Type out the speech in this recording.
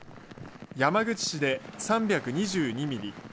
山口市で３２２ミリ